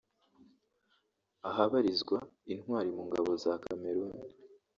ahabarizwa intwari mu ngabo za Cameroun